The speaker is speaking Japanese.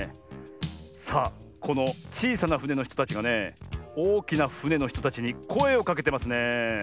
さあこのちいさなふねのひとたちがねおおきなふねのひとたちにこえをかけてますね。